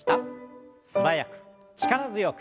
素早く力強く。